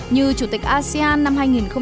như chủ tịch asean năm hai nghìn hai mươi